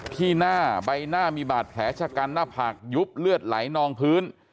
ที่หน้าใบหน้ามีบาดแผลชะกันหน้าผากยุบเลือดไหลนองพื้น